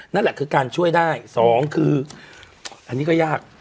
นั่นแหละคือการช่วยได้สองคืออันนี้ก็ยาก